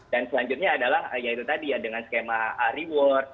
dan selanjutnya adalah ya itu tadi ya dengan skema reward